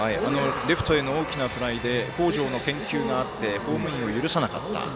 レフトへのフライで北條の返球があってホームインを許さなかった。